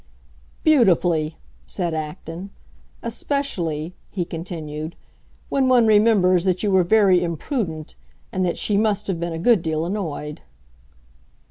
"Beautifully!" said Acton. "Especially," he continued, "when one remembers that you were very imprudent and that she must have been a good deal annoyed."